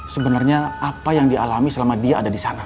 sebenernya apa yang dialami selama dia ada disana